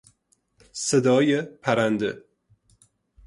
صدای پرنده